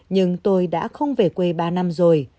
nhưng tôi đã không về quê ba năm rồi